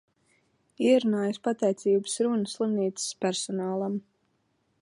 Ierunājis pateicības runu slimnīcas personālam.